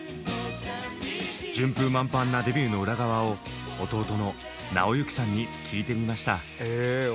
順風満帆なデビューの裏側を弟の尚之さんに聞いてみました。